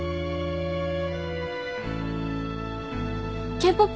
Ｋ−ＰＯＰ